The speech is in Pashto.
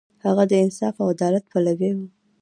هغه د انصاف او عدالت پلوی و.